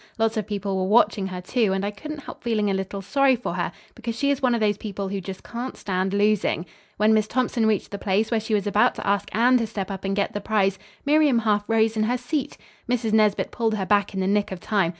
Lots of people were watching her, too, and I couldn't help feeling a little sorry for her, because she is one of those people who just can't stand losing. When Miss Thompson reached the place where she was about to ask Anne to step up and get the prize, Miriam half rose in her seat. Mrs. Nesbit pulled her back in the nick of time.